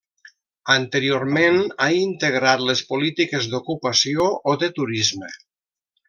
Anteriorment ha integrat les polítiques d'ocupació o de turisme.